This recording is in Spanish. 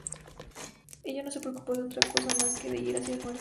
Ella no se preocupó de otra cosa más que de ir hacia el muerto.